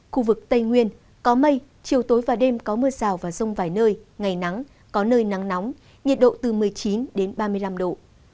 khu vực tây nguyên có mây chiều tối và đêm có mưa rào và rông vài nơi ngày nắng có nơi nắng nóng nhiệt độ từ một mươi chín đến ba mươi năm độ